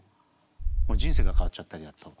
人生が変わっちゃったり。